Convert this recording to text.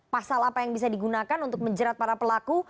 pasal apa yang bisa digunakan untuk menjerat para pelaku